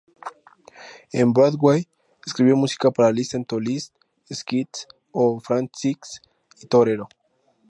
En Broadway, escribió música para "Listen to Liz", "Skits-oh-Frantics" y "Torero!".